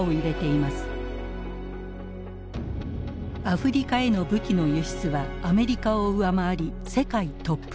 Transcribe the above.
アフリカへの武器の輸出はアメリカを上回り世界トップ。